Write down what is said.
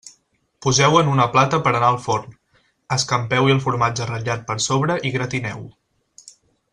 Poseu-ho en una plata per a anar al forn, escampeu-hi el formatge ratllat per sobre i gratineu-ho.